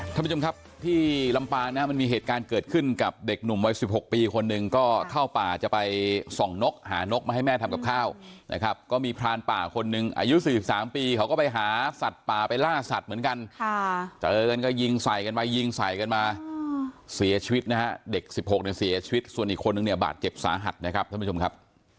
ท่านผู้ชมครับที่ลำปางนะฮะมันมีเหตุการณ์เกิดขึ้นกับเด็กหนุ่มวัยสิบหกปีคนหนึ่งก็เข้าป่าจะไปส่องนกหานกมาให้แม่ทำกับข้าวนะครับก็มีพรานป่าคนหนึ่งอายุ๔๓ปีเขาก็ไปหาสัตว์ป่าไปล่าสัตว์เหมือนกันค่ะเจอกันก็ยิงใส่กันไปยิงใส่กันมาเสียชีวิตนะฮะเด็ก๑๖เนี่ยเสียชีวิตส่วนอีกคนนึงเนี่ยบาดเจ็บสาหัสนะครับท่านผู้ชมครับ